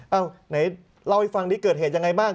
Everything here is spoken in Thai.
ไหนเล่าให้ฟังที่เกิดเหตุยังไงบ้าง